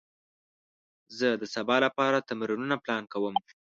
زه د سبا لپاره تمرینونه پلان کوم.